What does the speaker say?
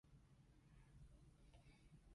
請小心保護好你嘅密碼